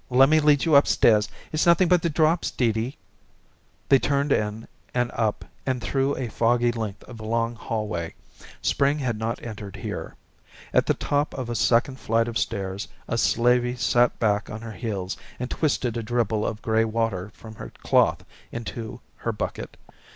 Lemme lead you up stairs. It's nothing but the drops, Dee Dee." They turned in and up and through a foggy length of long hallway. Spring had not entered here. At the top of a second flight of stairs a slavey sat back on her heels and twisted a dribble of gray water from her cloth into her bucket.